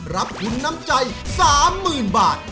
รับทุนน้ำใจ๓๐๐๐บาท